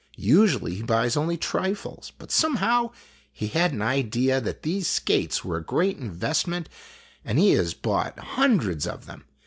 Usually he buys only trifles, but somehow he had an idea that these skates were a great investment and he has bought hun dreds of them.